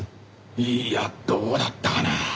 いやどうだったかな？